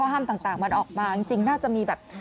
ห้ามต่างมันออกมาจริงน่าจะมีแบบ